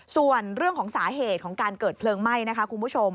ส่วนเรื่องของสาเหตุของการเกิดเพลิงไหม้นะคะคุณผู้ชม